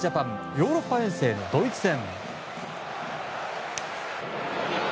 ヨーロッパ遠征のドイツ戦。